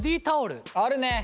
あるね。